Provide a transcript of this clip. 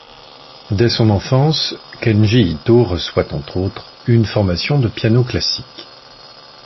Dès son enfance, Kenji Ito reçoit, entre autres, une formation de piano classique.